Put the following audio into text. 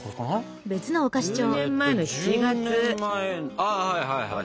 ああはいはいはい。